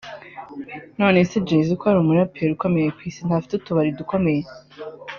nonese Jay Z ko ari umuraperi ukomeye ku isi ntafite utubari dukomeye